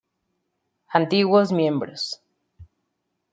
Antiguos miembros